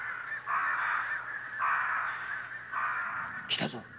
来たぞ。